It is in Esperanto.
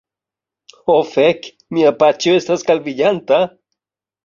Ho fek', mia paĉjo estas kalviĝanta!